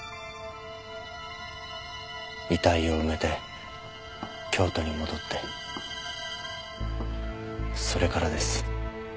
遺体を埋めて京都に戻ってそれからです。